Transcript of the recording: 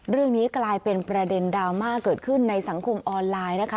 เรื่องนี้กลายเป็นประเด็นดราม่าเกิดขึ้นในสังคมออนไลน์นะคะ